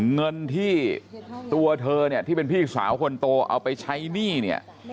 เงินที่ตัวเธอเนี่ยที่เป็นพี่สาวคนโตเอาไปใช้หนี้เนี่ย